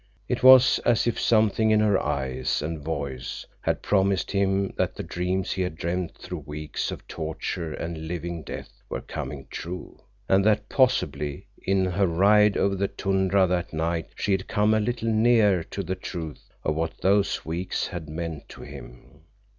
It was as if something in her eyes and voice had promised him that the dreams he had dreamed through weeks of torture and living death were coming true, and that possibly in her ride over the tundra that night she had come a little nearer to the truth of what those weeks had meant to him.